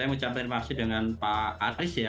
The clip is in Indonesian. saya mau ucap terima kasih dengan pak aris